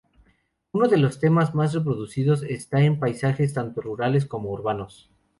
Uno de los temas más reproducidos está en paisajes tanto rurales como urbanos.